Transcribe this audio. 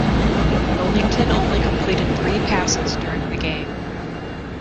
Wilmington only completed three passes during the game.